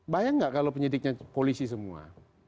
bayang nggak kalau penyidiknya polisi semua